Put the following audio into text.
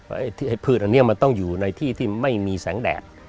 ไอ้พืชอันนี้มันต้องอยู่ในที่ที่ไม่มีแสงแดด